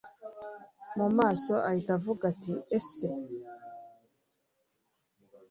mumaso ahita avuga ati ese mn